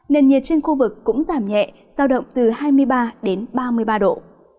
nền nhiệt trên khu vực cũng giảm nhẹ giao động từ hai mươi ba đến ba mươi ba độ